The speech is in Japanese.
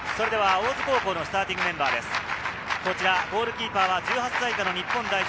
大津高校のスターティングメンバーです。